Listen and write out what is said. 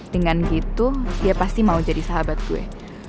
dengan gitu dia pasti mau jadi sahabat gue